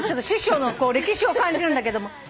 師匠の歴史を感じるんだけれども。